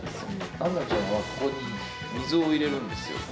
杏奈ちゃんはここに、水を入れるんですよ。